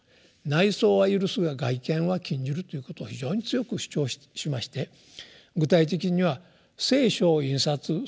「内想は許すが外顕は禁じる」ということを非常に強く主張しまして具体的には「聖書」を印刷するということは禁止する。